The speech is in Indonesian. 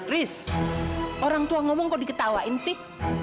ris orang tua ngomong kok diketawain sih